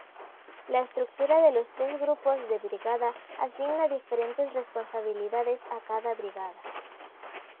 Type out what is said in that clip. La estructura de los tres grupos de brigada asigna diferentes responsabilidades a cada brigada.